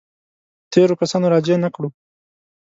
تېرو کسانو راجع نه کړو.